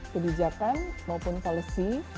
kebijakan maupun policy